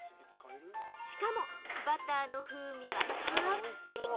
しかもバターの風味はたっぷり！